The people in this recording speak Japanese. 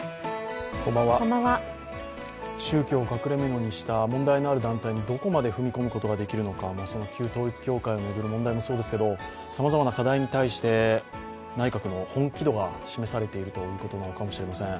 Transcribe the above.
宗教を隠れみのにした、問題のある団体にどこまで踏み込むことができるのか、旧統一教会を巡る問題もそうですけれども、さまざまな課題に対して、内閣の本気度が示されているということなのかもしれません。